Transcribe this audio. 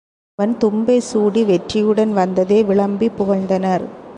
அவன் தும்பை சூடி வெற்றியுடன் வந்ததை விளம்பிப் புகழ்ந்தனர்.